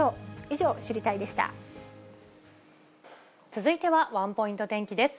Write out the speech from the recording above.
以上、続いてはワンポイント天気です。